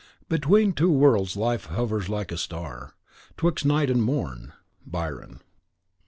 Between two worlds life hovers like a star 'Twixt night and morn. Byron.